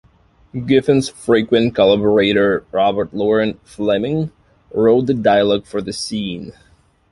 Giffen's frequent collaborator Robert Loren Fleming wrote the dialogue for the scene.